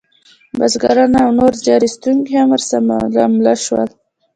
بزګران او نور زیار ایستونکي هم ورسره مل شول.